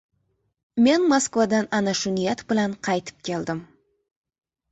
Men Moskvadan ana shu niyat bilan qaytib keldim.